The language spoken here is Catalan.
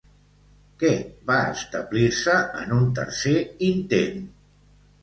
Què va establir-se en un tercer intent?